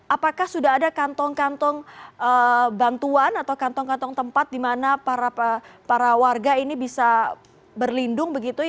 apakah sudah ada kantong kantong bantuan atau kantong kantong tempat di mana para warga yang terdampak yang sudah berhubungan dengan kondisi ini